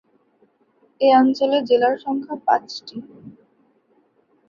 এ অঞ্চলে জেলার সংখ্যা পাঁচটি।